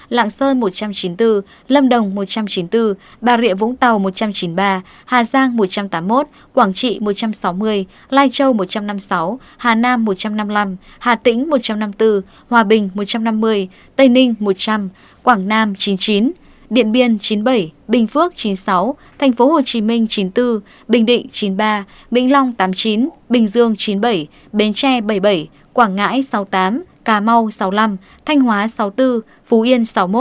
lạng sơn một trăm chín mươi bốn lâm đồng một trăm chín mươi bốn bà rịa vũng tàu một trăm chín mươi ba hà giang một trăm tám mươi một quảng trị một trăm sáu mươi lai châu một trăm năm mươi sáu hà nam một trăm năm mươi năm hà tĩnh một trăm năm mươi bốn hòa bình một trăm năm mươi tây ninh một trăm linh quảng nam chín mươi chín điện biên chín mươi bảy bình phước chín mươi sáu thành phố hồ chí minh chín mươi bốn bình định chín mươi ba bình long tám mươi chín bình dương chín mươi bảy bến tre bảy mươi bảy quảng ngãi sáu mươi tám cà mau sáu mươi năm thanh hóa sáu mươi bốn phú yên sáu mươi bốn